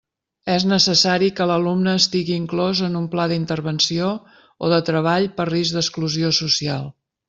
És necessari que l'alumne estigui inclòs en un pla d'intervenció o de treball per risc d'exclusió social.